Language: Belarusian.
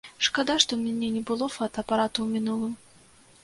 Шкада, што ў мяне не было фотаапарата ў мінулым.